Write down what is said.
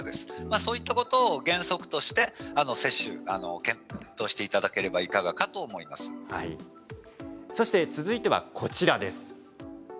そういったことを原則として接種を検討していただければ続いてはこちらです。